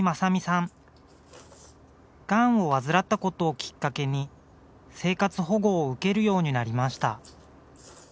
がんを患ったことをきっかけに生活保護を受けるようになりました。